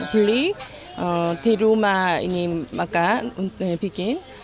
beli di rumah ini makan untuk bikin